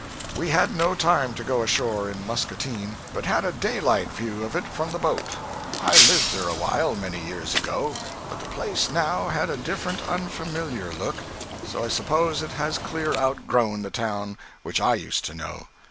We had not time to go ashore in Muscatine, but had a daylight view of it from the boat. I lived there awhile, many years ago, but the place, now, had a rather unfamiliar look; so I suppose it has clear outgrown the town which I used to know.